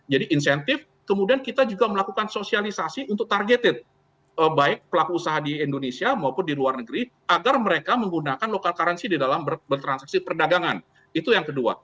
jadi insentif kemudian kita juga melakukan sosialisasi untuk targeted baik pelaku usaha di indonesia maupun di luar negeri agar mereka menggunakan local currency di dalam bertransaksi perdagangan itu yang kedua